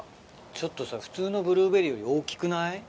ちょっとさ普通のブルーベリーより大きくない？